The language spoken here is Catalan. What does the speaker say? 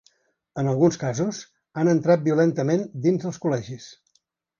En alguns casos, han entrat violentament dins els col·legis.